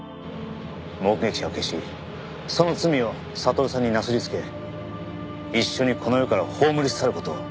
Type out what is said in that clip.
目撃者を消しその罪を悟さんになすり付け一緒にこの世から葬り去る事を。